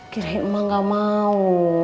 kirain emang gak mau